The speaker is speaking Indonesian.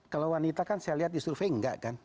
kalau wanita kan saya lihat di survei enggak kan